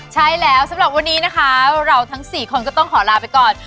ใช่แล้วสำหรับวันนี้นะคะเราทั้ง๔คนก็ต้องขอลาไปก่อน